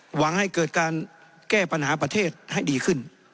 หวังให้เกิดการแก้ปัญหาประเทศให้ดีขึ้น